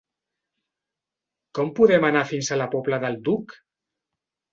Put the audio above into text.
Com podem anar fins a la Pobla del Duc?